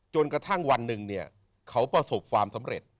จนกระทั่งวันหนึ่งเนี่ยเขาประสบความสำเร็จ